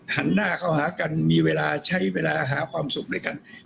หันหน้าเข้าหากันมีเวลาใช้เวลาหาความสุขด้วยกัน